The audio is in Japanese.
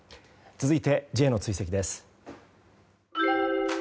続いてＪの追跡です。